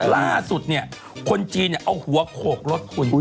ล่าสุดเนี่ยคนจีนเอาหัวโขกรถคุณ